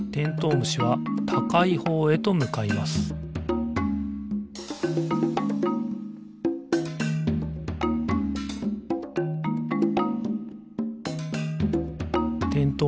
むしはたかいほうへとむかいますてんとう